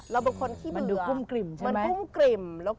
มันดูกุ้มกริม